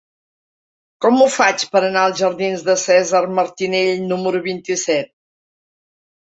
Com ho faig per anar als jardins de Cèsar Martinell número vint-i-set?